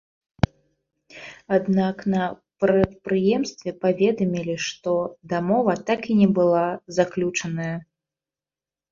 Аднак на прадпрыемстве паведамілі, што дамова так і не была заключаная.